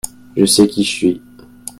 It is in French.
Je sais qui je suis.